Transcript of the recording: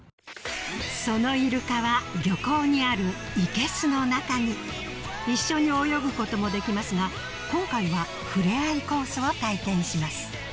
そのイルカは漁港にあるいけすの中に一緒に泳ぐこともできますが今回はを体験します